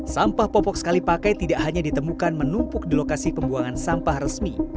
sampah popok sekali pakai tidak hanya ditemukan menumpuk di lokasi pembuangan sampah resmi